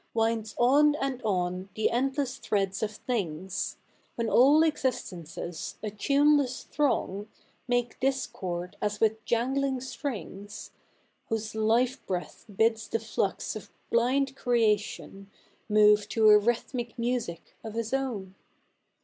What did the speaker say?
Winds on and 07i the endless threads of things ; When all existences, a tuneless thi'ong, Mahe discord as ivith Jangling strings. Whose life bi'eath bids the flnx of blind creation Alove to a rhythmic music of his own